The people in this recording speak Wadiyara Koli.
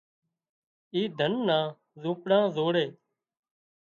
اي ڌنَ نا زونپڙا زوڙي